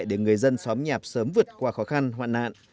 để người dân xóm nhạc sớm vượt qua khó khăn hoạn nạn